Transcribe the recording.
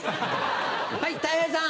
はいたい平さん。